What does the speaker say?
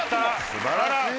すばらしい。